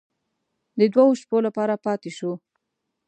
د دوو شپو لپاره پاتې شوو.